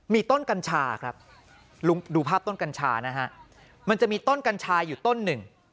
มีต้นกัญชาครับดูภาพต้นกัญชานะฮะมันจะมีต้นกัญชาอยู่ต้นหนึ่ง